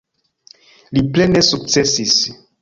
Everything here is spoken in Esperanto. Li plene sukcesis.